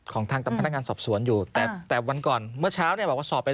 ของทางพนักงานสอบสวนอยู่แต่แต่วันก่อนเมื่อเช้าเนี่ยบอกว่าสอบไป